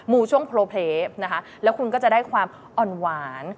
ูช่วงโพลเพลปนะคะแล้วคุณก็จะได้ความอ่อนหวาน